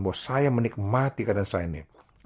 bahwa saya menikmati keadaan saya ini